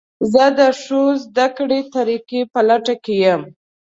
زه د ښو زده کړې طریقو په لټه کې یم.